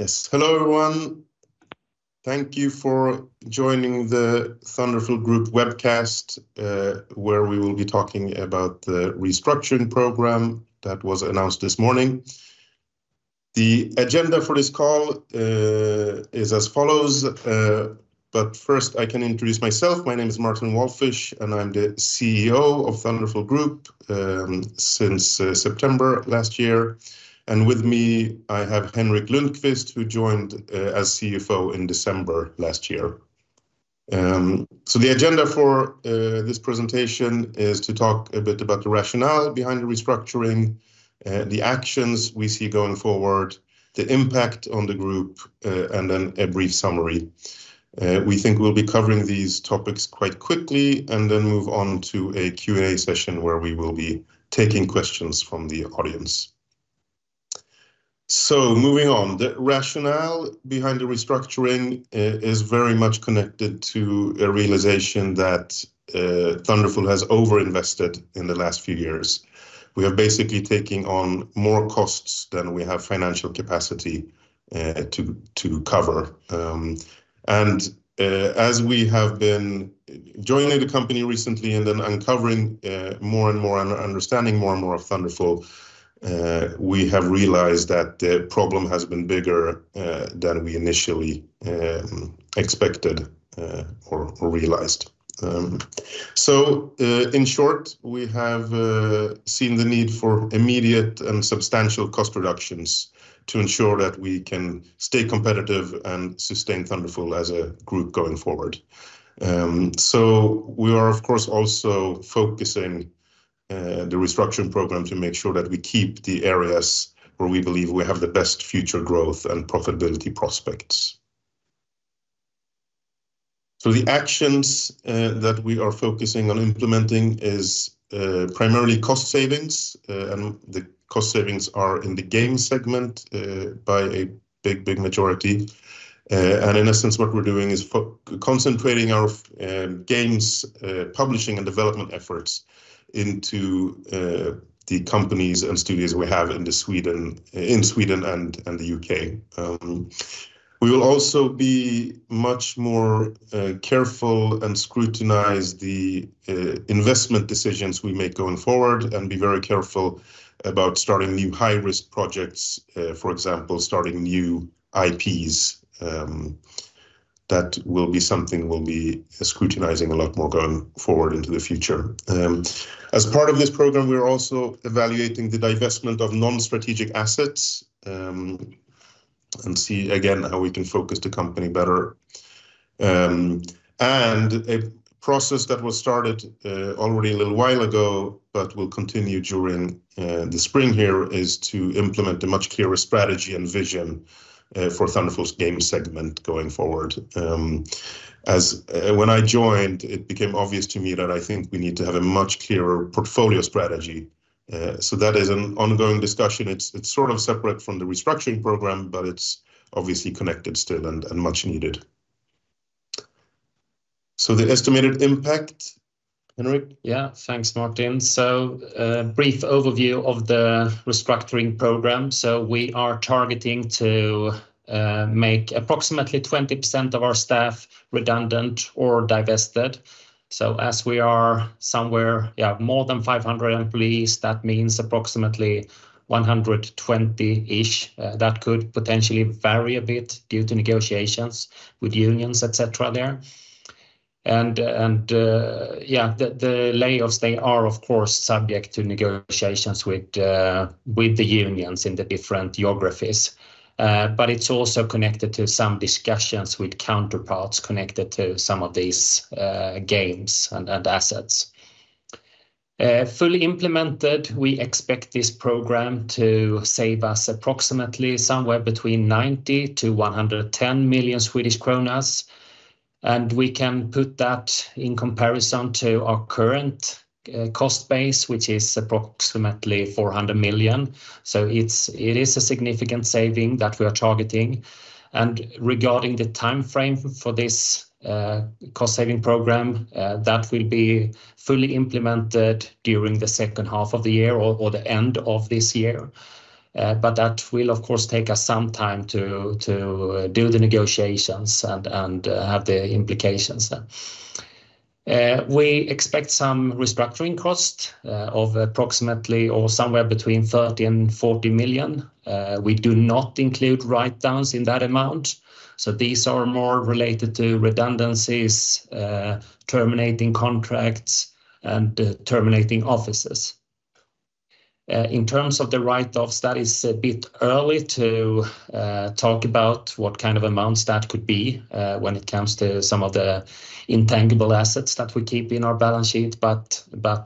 Yes. Hello, everyone. Thank you for joining the Thunderful Group webcast, where we will be talking about the restructuring program that was announced this morning. The agenda for this call is as follows, but first, I can introduce myself. My name is Martin Walfisz, and I'm the CEO of Thunderful Group, since September last year. And with me, I have Henrik Lundkvist, who joined as CFO in December last year. So the agenda for this presentation is to talk a bit about the rationale behind the restructuring, the actions we see going forward, the impact on the group, and then a brief summary. We think we'll be covering these topics quite quickly, and then move on to a Q&A session, where we will be taking questions from the audience. So moving on. The rationale behind the restructuring is very much connected to a realization that Thunderful has over-invested in the last few years. We are basically taking on more costs than we have financial capacity to cover. And as we have been joining the company recently and then uncovering more and more and understanding more and more of Thunderful, we have realized that the problem has been bigger than we initially expected or realized. So in short, we have seen the need for immediate and substantial cost reductions to ensure that we can stay competitive and sustain Thunderful as a group going forward. So we are, of course, also focusing the restructuring program to make sure that we keep the areas where we believe we have the best future growth and profitability prospects. The actions that we are focusing on implementing is primarily cost savings. The cost savings are in the game segment by a big, big majority. In essence, what we're doing is concentrating our games publishing and development efforts into the companies and studios we have in Sweden and the U.K. We will also be much more careful and scrutinize the investment decisions we make going forward, and be very careful about starting new high-risk projects, for example, starting new IPs. That will be something we'll be scrutinizing a lot more going forward into the future. As part of this program, we are also evaluating the divestment of non-strategic assets, and see again how we can focus the company better. And a process that was started already a little while ago, but will continue during the spring here, is to implement a much clearer strategy and vision for Thunderful's game segment going forward. When I joined, it became obvious to me that I think we need to have a much clearer portfolio strategy. So that is an ongoing discussion. It's, it's sort of separate from the restructuring program, but it's obviously connected still and, and much needed. So the estimated impact, Henrik? Yeah. Thanks, Martin. So, a brief overview of the restructuring program. So we are targeting to make approximately 20% of our staff redundant or divested. So as we are somewhere more than 500 employees, that means approximately 120-ish. That could potentially vary a bit due to negotiations with unions, et cetera, there. And the layoffs, they are, of course, subject to negotiations with the unions in the different geographies. But it's also connected to some discussions with counterparts connected to some of these games and assets. Fully implemented, we expect this program to save us approximately somewhere between 90 million-110 million Swedish kronor, and we can put that in comparison to our current cost base, which is approximately 400 million. It is a significant saving that we are targeting. Regarding the timeframe for this cost-saving program, that will be fully implemented during the second half of the year or the end of this year. But that will, of course, take us some time to do the negotiations and have the implications then. We expect some restructuring cost of approximately or somewhere between 30 million and 40 million. We do not include write-downs in that amount, so these are more related to redundancies, terminating contracts, and terminating offices. In terms of the write-offs, that is a bit early to talk about what kind of amounts that could be, when it comes to some of the intangible assets that we keep in our balance sheet, but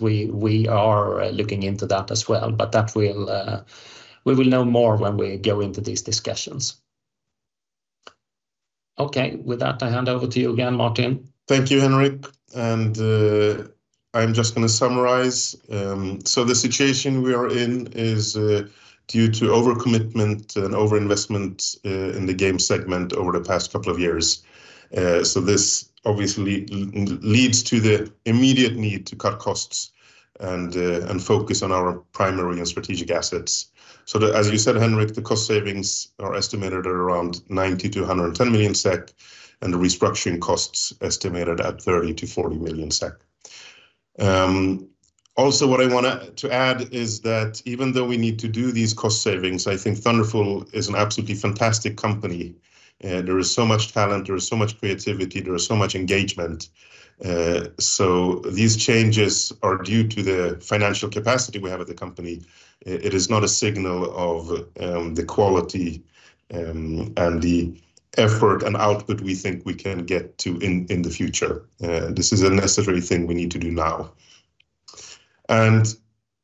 we are looking into that as well. But we will know more when we go into these discussions. Okay, with that, I hand over to you again, Martin. Thank you, Henrik. I'm just going to summarize. So the situation we are in is due to overcommitment and over-investment in the game segment over the past couple of years. So this obviously leads to the immediate need to cut costs and focus on our primary and strategic assets. As you said, Henrik, the cost savings are estimated at around 90 million-110 million SEK, and the restructuring costs estimated at 30 million-40 million SEK. Also, what I want to add is that even though we need to do these cost savings, I think Thunderful is an absolutely fantastic company, and there is so much talent, there is so much creativity, there is so much engagement. These changes are due to the financial capacity we have at the company. It is not a signal of the quality and the effort and output we think we can get to in the future. This is a necessary thing we need to do now.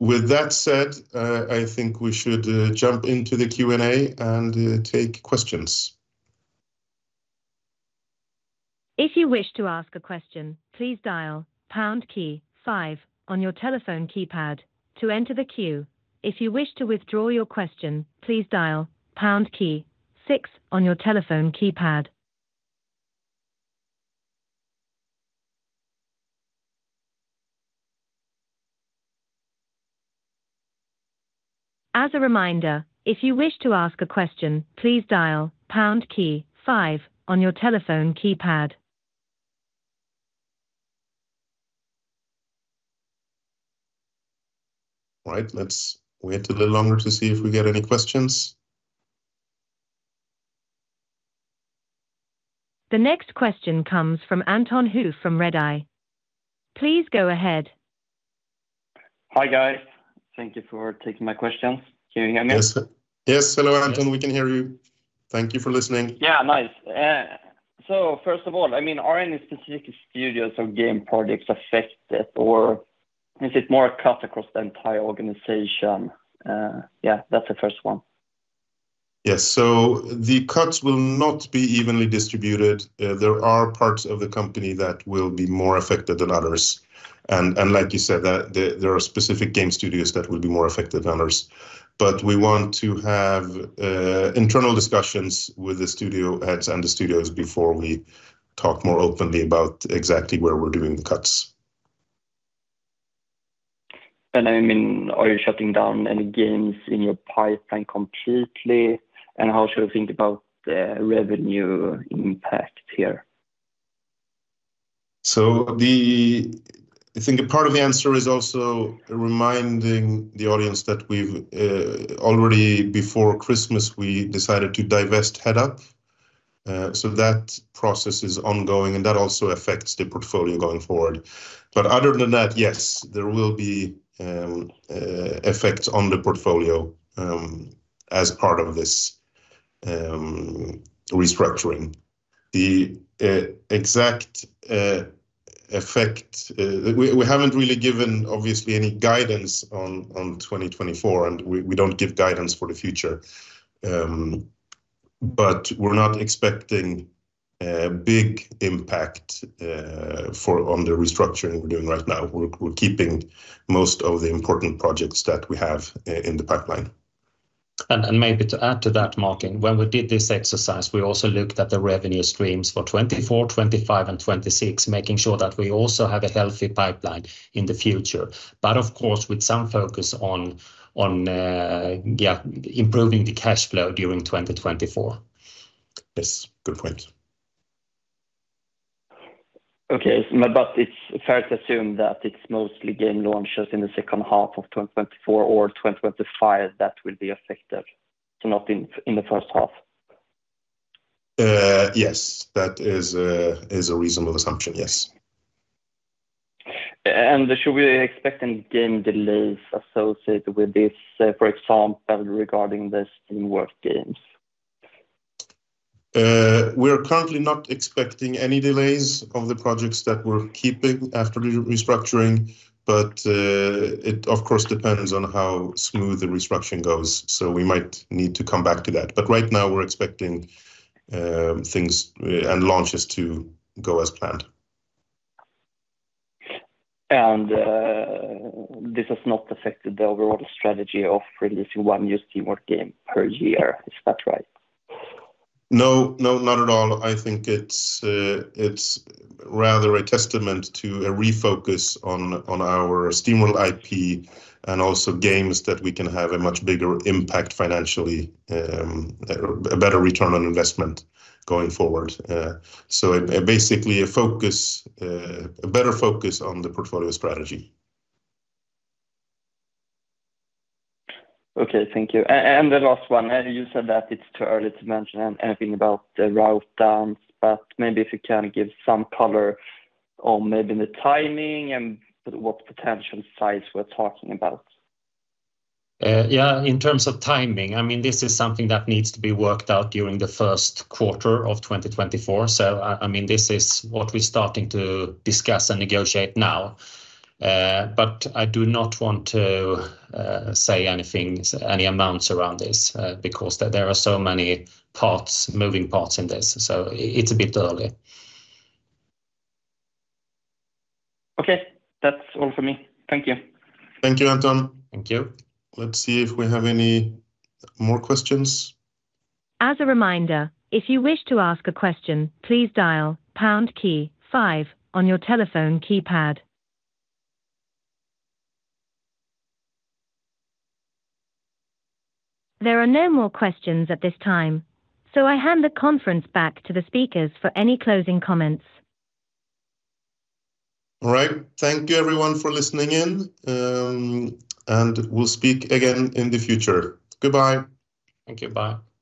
With that said, I think we should jump into the Q&A and take questions. If you wish to ask a question, please dial pound key five on your telephone keypad to enter the queue. If you wish to withdraw your question, please dial pound key six on your telephone keypad. As a reminder, if you wish to ask a question, please dial pound key five on your telephone keypad. All right. Let's wait a little longer to see if we get any questions. The next question comes from Anton Hoof from Redeye. Please go ahead. Hi, guys. Thank you for taking my questions. Can you hear me? Yes. Yes. Hello, Anton, we can hear you. Thank you for listening. Yeah, nice. So first of all, I mean, are any specific studios or game projects affected, or is it more a cut across the entire organization? Yeah, that's the first one. Yes. So the cuts will not be evenly distributed. There are parts of the company that will be more affected than others, and like you said, that there are specific game studios that will be more affected than others. But we want to have internal discussions with the studio heads and the studios before we talk more openly about exactly where we're doing the cuts. I mean, are you shutting down any games in your pipeline completely, and how should we think about the revenue impact here? So, I think a part of the answer is also reminding the audience that we've already before Christmas, we decided to divest Headup. So that process is ongoing, and that also affects the portfolio going forward. But other than that, yes, there will be effects on the portfolio as part of this restructuring. The exact effect. We haven't really given, obviously, any guidance on 2024, and we don't give guidance for the future. But we're not expecting a big impact on the restructuring we're doing right now. We're keeping most of the important projects that we have in the pipeline. Maybe to add to that, Martin, when we did this exercise, we also looked at the revenue streams for 2024, 2025, and 2026, making sure that we also have a healthy pipeline in the future, but of course, with some focus on improving the cash flow during 2024. Yes, good point. Okay, but it's fair to assume that it's mostly game launches in the second half of 2024 or 2025 that will be affected, so not in the first half? Yes, that is a reasonable assumption, yes. Should we expect any game delays associated with this, for example, regarding the SteamWorld games? We are currently not expecting any delays of the projects that we're keeping after restructuring, but it, of course, depends on how smooth the restructuring goes, so we might need to come back to that. But right now, we're expecting things and launches to go as planned. This has not affected the overall strategy of releasing one new SteamWorld game per year. Is that right? No, no, not at all. I think it's, it's rather a testament to a refocus on, on our SteamWorld IP and also games that we can have a much bigger impact financially, a better return on investment going forward. So basically, a focus, a better focus on the portfolio strategy. Okay, thank you. And the last one, and you said that it's too early to mention anything about the write-downs, but maybe if you can give some color on maybe the timing and what potential size we're talking about. Yeah, in terms of timing, I mean, this is something that needs to be worked out during the first quarter of 2024. So, I mean, this is what we're starting to discuss and negotiate now. But I do not want to say anything, any amounts around this because there are so many parts, moving parts in this, so it's a bit early. Okay. That's all for me. Thank you. Thank you, Anton. Thank you. Let's see if we have any more questions. As a reminder, if you wish to ask a question, please dial pound key five on your telephone keypad. There are no more questions at this time, so I hand the conference back to the speakers for any closing comments. All right. Thank you, everyone, for listening in, and we'll speak again in the future. Goodbye. Thank you. Bye.